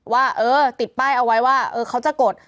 ว่าเออติดป้ายเอาไว้ว่าเขาจะกด